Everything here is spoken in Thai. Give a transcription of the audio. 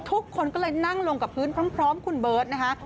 ทุกคนก็เลยนั่งลงกับพื้นพร้อมคุณเบิร์ตนะคะ